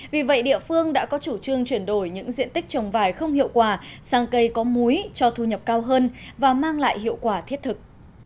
vì vậy địa phương đã có chủ trương chuyển đổi những diện tích trồng vải không hiệu quả sang cây có múi cho thu nhập cao hơn và mang lại hiệu quả thiết thực